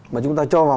mà chúng ta cho vào